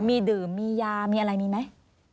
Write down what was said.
มีดื่มมียามีอะไรมีไหม